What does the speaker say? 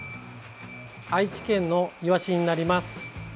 愛知県のイワシになります。